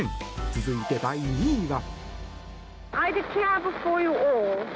続いて、第２位は。